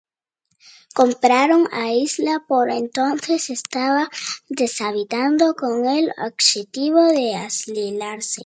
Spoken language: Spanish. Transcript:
Compraron la isla que por entonces estaba deshabitada con el objetivo de aislarse.